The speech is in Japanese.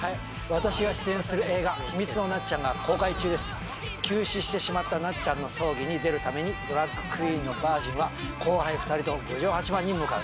私が出演する映画『ひみつのなっちゃん。』が公開中です急死してしまったなっちゃんの葬儀に出るためにドラァグクイーンのバージンは後輩２人と郡上八幡に向かう。